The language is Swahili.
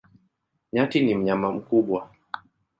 Nyati ni mnyama mkubwa.